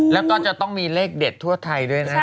แล้วก็จะต้องมีเลขเด็ดทั่วไทยด้วยนะ